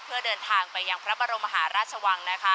เพื่อเดินทางไปยังพระบรมมหาราชวังนะคะ